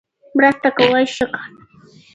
مرسته کول ښه کار دی.